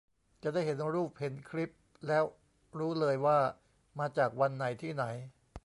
จะได้เห็นรูปเห็นคลิปแล้วรู้เลย ว่ามาจากวันไหน ที่ไหน